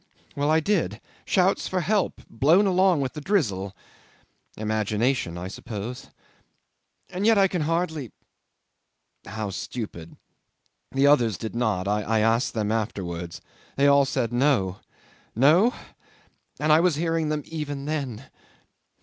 Well, I did. Shouts for help ... blown along with the drizzle. Imagination, I suppose. And yet I can hardly ... How stupid. ... The others did not. I asked them afterwards. They all said No. No? And I was hearing them even then!